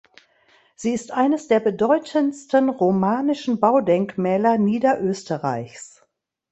Sie ist eines der bedeutendsten romanischen Baudenkmäler Niederösterreichs.